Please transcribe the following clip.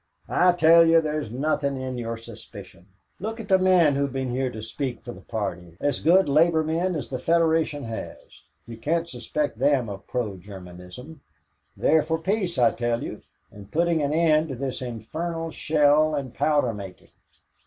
"I tell you there's nothing in your suspicion. Look at the men who've been here to speak for the party as good labor men as the Federation has. You can't suspect them of pro Germanism; they're for peace, I tell you, and putting an end to this infernal shell and powder making."